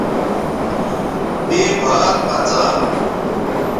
مے بھات پڅا